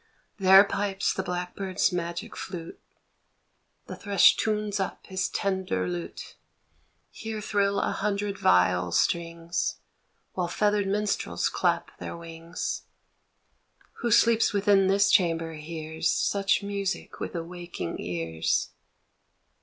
There pipes the blackbird's magic flute, The thrush tunes up his tender lute, A HOME 43 Here thrill a hundred viol strings, While feathered minstrels clap their wings : .Who sleeps within this chamber hears Such music with awaking ears.